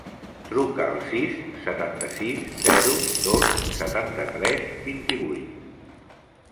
Truca al sis, setanta-sis, zero, dos, setanta-tres, vint-i-vuit.